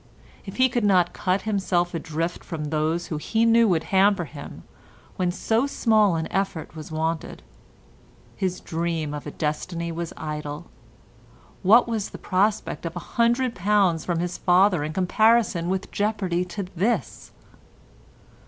If he could not cut himself adrift from those who he knew would hamper him, when so small an effort was wanted, his dream of a destiny was idle; what was the prospect of a hundred pounds from his father in comparison with jeopardy to this?